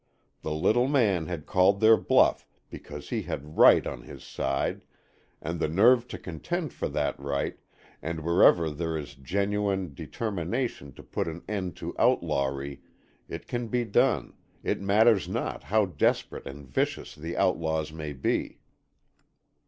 The little man had called their bluff because he had right on his side, and the nerve to contend for that right, and wherever there is a genuine determination to put an end to outlawry, it can be done, it matters not how desperate and vicious the outlaws may be.